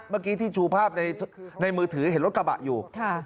เมื่อกี้ที่ชูภาพในมือถือเห็นรถกระบะอยู่